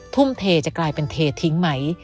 ทุ่มเทจะกลายเป็นเททิ้งไหม